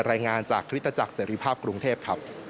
รายงานจากคริสตจักรเสรีภาพกรุงเทพครับ